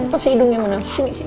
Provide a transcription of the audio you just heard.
apa si hidungnya mana sini sini